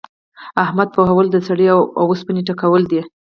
احمد پوهول؛ د سړې اوسپنې ټکول دي.